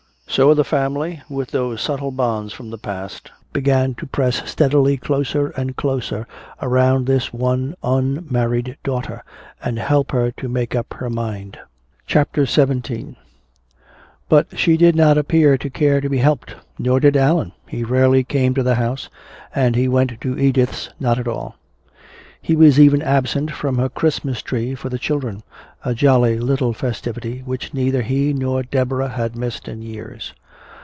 So the family, with those subtle bonds from the past, began to press steadily closer and closer around this one unmarried daughter, and help her to make up her mind. CHAPTER XVII But she did not appear to care to be helped. Nor did Allan he rarely came to the house, and he went to Edith's not at all. He was even absent from her Christmas tree for the children, a jolly little festivity which neither he nor Deborah had missed in years.